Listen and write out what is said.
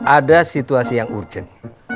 ada situasi yang urgent